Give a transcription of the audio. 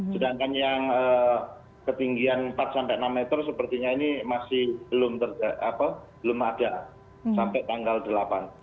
sedangkan yang ketinggian empat sampai enam meter sepertinya ini masih belum ada sampai tanggal delapan